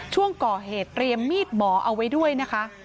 ช่วงก่อเหตุเตรียมมีดหมอเอาไว้ด้วยนะคะ